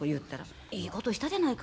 ええことしたじゃないか。